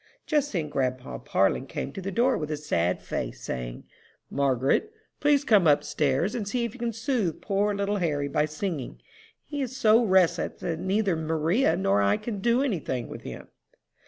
Just then grandpa Parlin came to the door with a sad face, saying, "Margaret, please come up stairs, and see if you can soothe poor little Harry by singing. He is so restless that neither Maria nor I can do any thing with him."